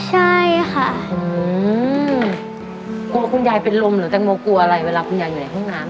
ใช่ค่ะกลัวคุณยายเป็นลมหรือแตงโมกลัวอะไรเวลาคุณยายอยู่ในห้องน้ำ